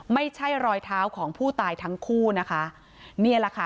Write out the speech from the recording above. ไม่ใช่รอยเท้าของผู้ตายทั้งคู่นะคะนี่แหละค่ะ